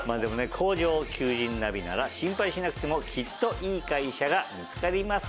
「工場求人ナビ」なら心配しなくてもきっといい会社が見つかります